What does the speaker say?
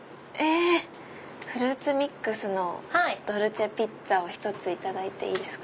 フルーツミックスのドルチェピッツァを１ついただいていいですか？